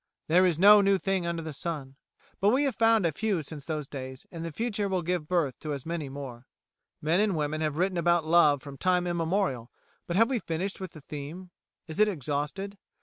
"There is no new thing under the Sun." But we have found a few since those days, and the future will give birth to as many more. Men and women have written about love from time immemorial, but have we finished with the theme? Is it exhausted?